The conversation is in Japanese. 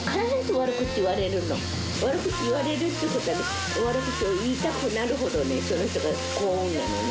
悪口言われるということは、悪口を言いたくなるほどね、その人が幸運なのね。